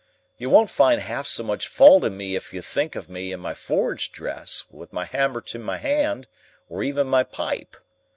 You won't find half so much fault in me if you think of me in my forge dress, with my hammer in my hand, or even my pipe.